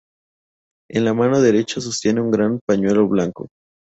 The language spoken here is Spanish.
En la mano derecha sostiene un gran pañuelo blanco.